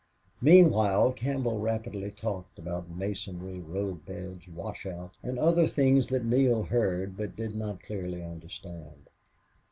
Meanwhile Campbell rapidly talked about masonry, road beds, washouts, and other things that Neale heard but did not clearly understand.